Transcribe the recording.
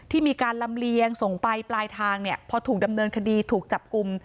มีการลำเลียงส่งไปปลายทางเนี่ยพอถูกดำเนินคดีถูกจับกลุ่ม